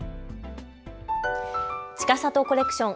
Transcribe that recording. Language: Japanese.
ちかさとコレクション。